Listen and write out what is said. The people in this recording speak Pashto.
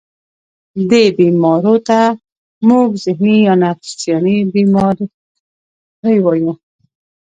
دې بيمارو ته مونږ ذهني يا نفسياتي بيمارۍ وايو